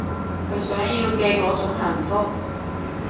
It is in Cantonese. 佢想要嘅嗰種幸福